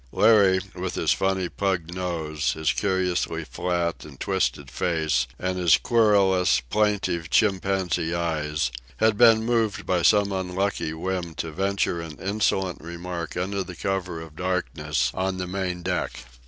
Larry, with his funny pug nose, his curiously flat and twisted face, and his querulous, plaintive chimpanzee eyes, had been moved by some unlucky whim to venture an insolent remark under the cover of darkness on the main deck.